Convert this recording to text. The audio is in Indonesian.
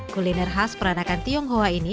kuliner khas peranakan tionghoa ini